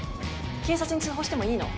警察に通報してもいいの？